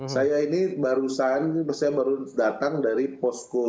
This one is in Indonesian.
saya ini barusan saya baru datang dari posko